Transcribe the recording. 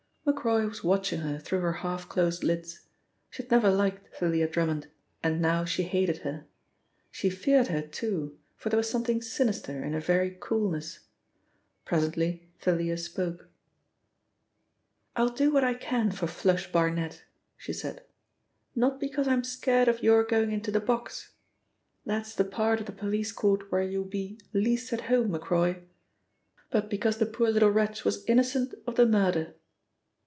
Macroy was watching her through her half closed lids. She had never liked Thalia Drummond, and now she hated her. She feared her too, for there was something sinister in her very coolness. Presently Thalia spoke. "I'll do what I can for 'Flush' Barnet," she said. "Not because I'm scared of your going into the box that's the part of the police court where you'll be least at home, Macroy but because the poor little wretch was innocent of the murder."